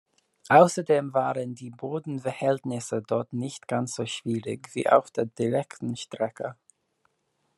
Außerdem waren die Bodenverhältnisse dort nicht ganz so schwierig wie auf der direkten Strecke.